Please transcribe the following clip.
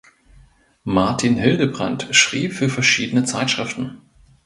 Martin Hildebrandt schrieb für verschiedene Zeitschriften